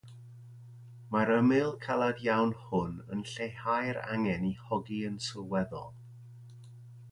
Mae'r ymyl caled iawn hwn yn lleihau'r angen i hogi yn sylweddol.